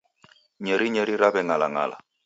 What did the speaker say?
Nyerinyeri raweng'alang'ala.